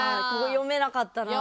読めなかった。